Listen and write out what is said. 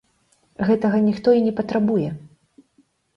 Гэтага ніхто і не патрабуе.